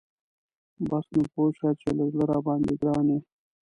بس نو پوه شه چې له زړه راباندی ګران یي .